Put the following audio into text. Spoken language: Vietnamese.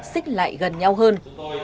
xích lại gần nhau hơn